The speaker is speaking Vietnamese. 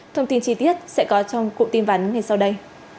thông tin chi tiết sẽ có trong cụ tin vắn ngày sau đây